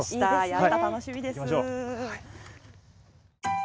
やった楽しみです。